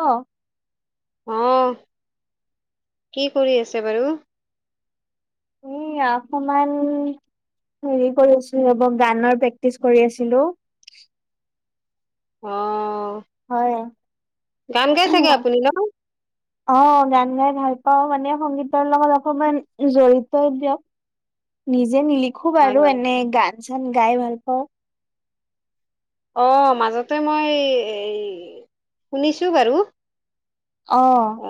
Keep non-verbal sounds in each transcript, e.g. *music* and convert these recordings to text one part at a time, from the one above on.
অ আহ কি কৰি আছে বাৰু? উম অকমান হেৰি কৰি আছিলোব গানৰ প্ৰেক্টিচ কৰি আছিলো। অ হয় গান গাই চাগে আপুনি ন? অ গান গাই ভাল পাও মানে সংগীতৰ লগত অকমান জড়িতই দিয়ক। নিজে নিলিখো হয় বাৰু হয় এনে গান চান গাই ভাল পাওঁ। অ মাজতে মই এই শুনিছোঁ বাৰু। আহ অ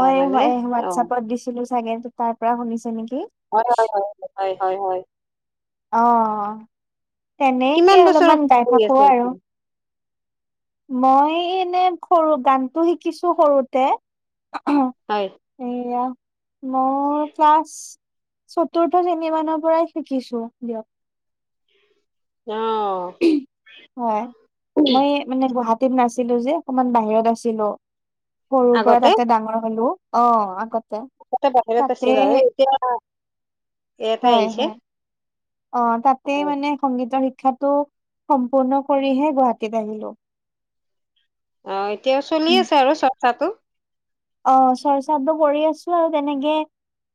মই অ হোৱাটছপত দিছিলো চাগে তাৰ পৰা শুনিছে নেকি? হয় হয় হয় হয় হয় হয় আহ কিমান তেনেকে বছৰৰ অলপমান পৰা গাই কৰি থাকো আছে আৰু এতিয়া মই এনে সৰু গানটো শিকিছো সৰুতে হয় এয়া মোৰ ক্লাছ চতুৰ্থ শ্ৰেনি মানৰ পৰাই শিকিছো দিয়ক। অ হয় মই মানে গুৱাহাটী নাছিলো যে অকমান বাহিৰত আছিলো সৰু পৰা তাতে ডাঙৰ হ'লো। অ আগত টা বাহিৰত আছিল আৰু এতিয়া এয়াটে হয় আহিছে। হয় অ তাতে হয় মানে সংগীতৰ শিক্ষাত টো সম্পূৰ্ণ কৰিহে গুৱাহাটীলে আহিলো। অ এতিয়াও চলি আছে আৰু চৰ্চাটো? অ চৰ্চাতটো পৰি আছে ছো আৰু তেনেকে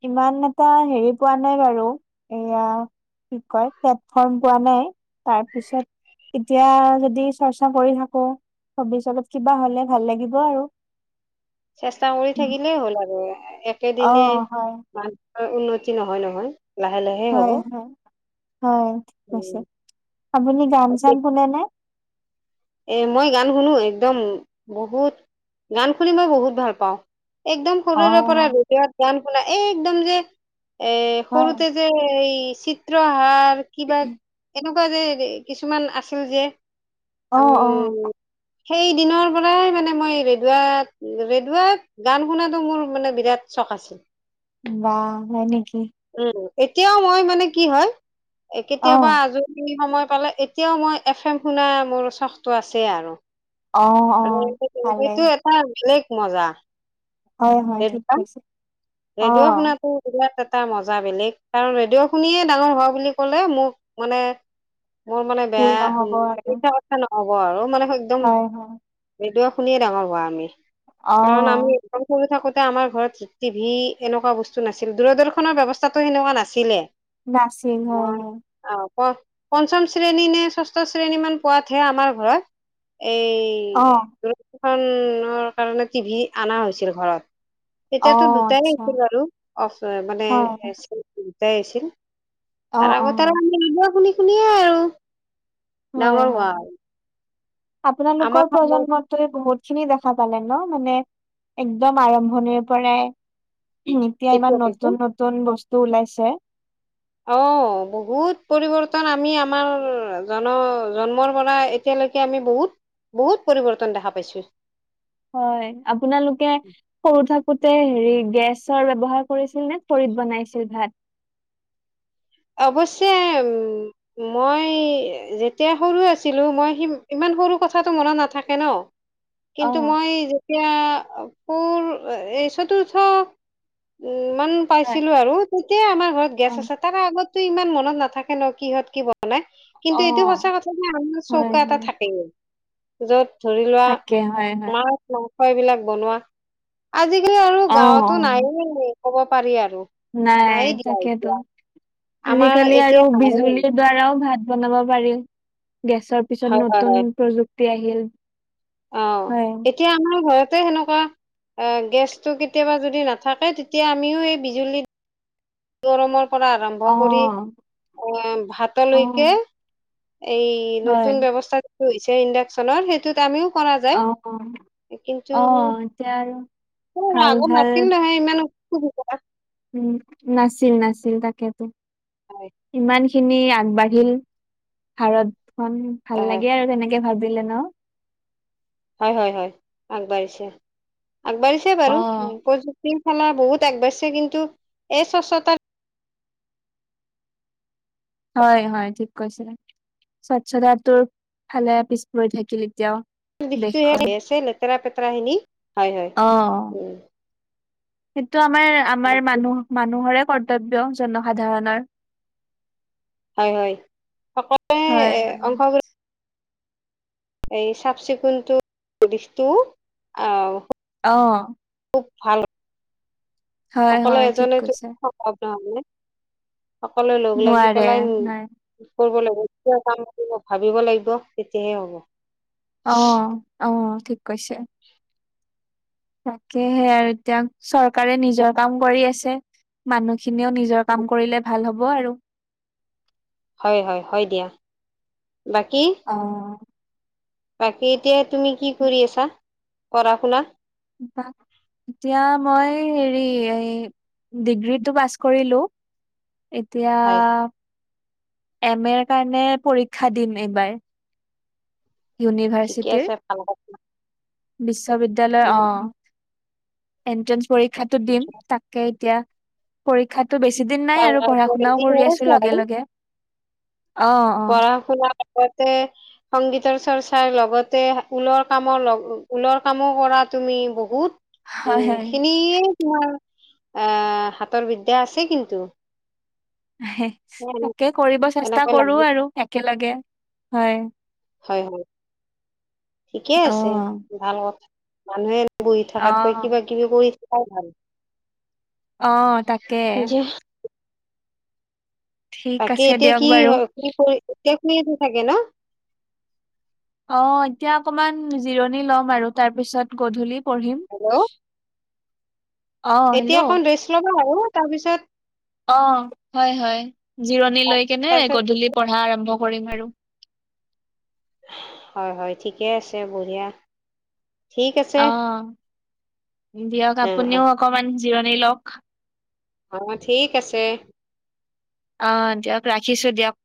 ইমান এটা হেৰি পোৱা নাই বাৰু এয়া কি কয় প্লেটফৰ্ম পোৱা নাই তাৰ পিছত এতিয়া যদি চৰ্চা কৰি থাকো ভৱিষ্যতত কিবা হলে ভাল লাগিব আৰু। চেষ্টা কৰি থাকিলেই হ'ল আৰু অ একেদিনে হয় উন্নতি নহয় নহয় লাহে লাহে হ'ব। হয় হয় হয় ঠিক আছে আপুনি গান উম -চান শুনে'নে? এ মই গান শুনো একদম বহুত গান শুনি মই বহুত ভাল পাওঁ। একদম অ সৰুৰেৰে পৰা ৰেডিঅ'ত গান শুনাই এই একদম যে এ হয় সৰুতে যে এই চিত্ৰ আহাৰ কিবা এনেকা এনেুকোৱা যে কিছুমান আছিল যে অহ- অহ উম সেই দিনৰ পৰাই মানে মই ৰেডুৱাত- ৰেডুৱাত গান শুনাটো মোৰ মানে বিৰাট চখ আছিল। বাহ হয় নেকি? উম, এতিয়াও মই মানে কি হয় অ কেতিয়াবা আজৰি সময় পালে এতিয়াও মই এফ এম শুনা মোৰ চখটো আছেই আৰু অ অ *unintelligible* ভালে সেইটো এটা বেলেগ মজা। হয় -হয় ঠিক ৰেডিঅ' কৈছে। অ ৰেডিঅ' শুনাতো *unintelligible* এটা মজা বেলেগ কাৰণ ৰেডিঅ' শুনিয়েই ডাঙৰ হোৱা বুলি ক'লে মোক মানে মোৰ মানে ভুল বেয়া নহব উম আৰু পইছা কথা নহব আৰু মানে একদম হয় হয় সেইটো শুনিয়ে ডাঙৰ হোৱা আমি কাৰণ আমি অ', একদম সৰু থাকোতে আমাৰ ঘৰত টিভি এনেকুৱা বস্তু নাছিল দূৰদৰ্শনৰ ব্যৱস্থাটো সেনেকুৱা নাছিলে নাছিল হয় মই -হয়। অ পঞ্চম শ্ৰেণী নে ষষ্ঠ শ্ৰেণীমান পোৱাতহে আমাৰ ঘৰত অ', এই দূৰদৰ্শনৰ কাৰণে টিভি আনা হৈছিল ঘৰত। অ', এতিয়াতো দুটাই আচ্ছা আছিল বাৰু *unintelligible* মানে হয়, দুটাই আছিল। তাৰ অ', আগতে অ', আৰু ৰেডিঅ শুনি -শুনিয়ে আৰু হয়, ডাঙৰ হয়। হোৱা আমাৰ আপোনালোকৰ সময় প্ৰজন্মটোৱে বহুত খিনি দেখা পালে ন' মানে একদম আৰম্ভণিৰ পৰাই এতিয়া ইমান নতুন -নতুন বস্তু ওলাইছে অ', বহুত পৰিৱৰ্তন আমি আমাৰ জন -জন্মৰ পৰা এতিয়া আমি বহুত- বহুত পৰিৱৰ্তন দেখা পাইছো। হয়, আপোনালোকে সৰু থাক হেৰি গেছৰ ব্যৱহাৰ কৰিছিল নে খৰিত বনাইছিল ভাত? অৱশে উম মই যেতিয়া সৰু আছিলো মই ইমান সৰু কথাটো মনত নাথাকে ন' কিন্তু অ', মই যেতিয়া পোৰ এই চতুৰ্থ মান হয়, পাইছিলো আৰু তেতিয়া আমাৰ ঘৰত গেছ অ', আছে তাৰে আগত টো ইমান মনত নাথাকে ন' কিহত কিহত মানে কিন্তু এইটো সঁচা অ', কথা যে আমাৰ হয়, চৌকা এটা হয়, থাকেই য'ত ধৰি লোৱা থাকে হয়, হয়। মাছ এইবিলাক বনোৱা আজিকালি আৰু অ', গাঁৱতো অ', নায়েই ক'ব পাৰি আৰু নাই দিয়া তাকেতো এতিয়া আমাৰ আজিকালি আৰু এতিয়া নাইয়ে হয় বিজুলীৰ দ্বাৰাও ভাত বনাব পাৰি গেছৰ পিছত হয় নতুন হয় প্ৰযুক্তি আহিল। অ', হয়। এতিয়া আমাৰ ঘৰত সেনেকুৱা গেছটো কেতিয়াবা যদি নাথাকে তেতিয়া আমিও এই বিজুলী গৰমৰ পৰা আৰম্ভ অ কৰি এ অ ভাতলৈকে এই হয় নতুন ব্যৱস্থা যিটো হৈছে ইণ্ডাকচনৰ সেইটোত আমিও কৰা অ যায় কিন্তু অ এতিয়া আৰু কোনো নাই ভাল আগত ভাল নাছিল নহয় ইমান *unintelligible* উম, নাছিল-নাছিল তাকেতো হয় ইমান খিনি আগবাঢ়িল ভাৰত খন ভাল হয় লাগে আৰু তেনেকে। কে ভাবিলে ন'? হয়- হয়-হয়, আগবাঢ়িছে -আগবাঢ়িছে অ বাৰু প্রযু শৃংখলা বহুত আগবাঢ়ছে কিন্তু এই স্বচ্ছতা হয়-হয় ঠিক কৈছে। স্বচ্ছতাটো ফালে পিছ পৰি থাকিল এতিয়াও। দেশখন *unintelligible* আছে লেতেৰা -পেতেৰা খিনি হয়- হয় অ উম। সেইটো আমাৰ আমাৰ বাকী মানুহ মানুহৰে কৰ্তব্য জনসাধাৰণৰ। হয়, হয় সকলোৱে হয়, হয়। অংশগ্ৰহণ এই চাফ চিকুণত দিশটো আহ। আহ। ভাল। অকলে হয়, ঠিক এজনে কৈছে। সম্ভৱ নহলে সকলো লগ লাগি নোৱাৰে পেলাই। নাই। কৰিব লাগিব কাম কৰিব ভাবিব লাগিব তেতিয়াহে হ'ব। অ আহ ঠিক কৈছে। তাকেহে আৰু এতিয়া চৰকাৰে নিজৰ কাম কৰি আছে। মানুহ স খিনিও নিজৰ কাম কৰিলে ভাল হ'ব আৰু। হয়, হয়, হয় দিয়া। বাকী অ। বাকী এতিয়া তুমি কি কৰি আছা, পঢ়া শুনা? বা এতিয়া মই হেৰি এই ডিগ্ৰীটো পাছ কৰিলো। এতিয়া হয় এম এ কাৰণে পৰীক্ষা দিম এইবাৰ। ঠিকে ইউনিভাৰ্চিটিৰ। আছে ভাল বিশ্ববিদ্যালয় অ এনট্ৰেন্ঞ্চ পৰীক্ষাতটো দিম, তাকে এতিয়া পৰীক্ষাতো বেছি দিন নাই আৰু পঢ়া শুনাও হৈছে কৰি আছো লগে আৰু লগে। অ অ পঢ়া শুনা লগতে সংগীতৰ চৰ্চাৰ লগতে ঊলৰ কামৰ লগ ঊলৰ কামো কৰা। তুমি বহুত হয় উম হয় খিনিয়ে তোমাৰ আহ হাতৰ বিদ্যা আছে কিন্তু। *unintelligible* এ তাকে কৰিব চেষ্টা এনেকৈ কৰো লাগি আৰু একেলগে, হয়। হয় হয় ঠিকে অ আছে, ভাল হওক মানুহে বহি অ থকাতকৈ কিবা কিবি কৰি থাকাই ভাল। অ তাকে। ঠিক বাকী আছে এতিয়া দিয়ক কি বাৰু হয় কি কৰি, এতিয়া শুই আছে চাগে ন? অ এতিয়া অকমান জিৰণি ল'ম আৰু তাৰপিছত গধূলি পঢ়িম। হেল্ল' অ হেল্ল' এতিয়া অকণ ড্ৰেষ্ট ল'বা আৰু তাৰপিছত অ হয় হয় জিৰণি লৈ কেনে তাৰপিছত গধূলি পঢ়া আৰম্ভ। কৰিম আৰু। হয় হয় ঠিকে আছে বঢ়িয়া, ঠিক আছে। অ দিয়ক অ অ আপুনিও অকমান জিৰণি লওক। অ ঠিক আছে আহ দিয়ক ৰাখিছো দিয়ক।